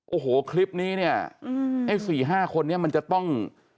โอ้โหคลิปนี้เนี้ยเอ้ยสี่ห้าคนเนี้ยมันจะต้อง